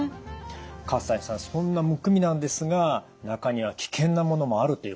西さんそんなむくみなんですが中には危険なものもあるということですね？